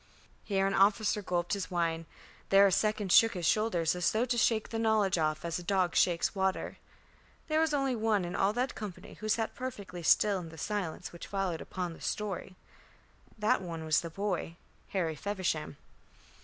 Here an officer gulped his wine, there a second shook his shoulders as though to shake the knowledge off as a dog shakes water. There was only one in all that company who sat perfectly still in the silence which followed upon the story. That one was the boy, Harry Feversham.